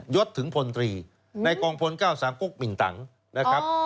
ยศถึงพล๓ในกองพล๙๓กกปิ่นตังค์นะครับ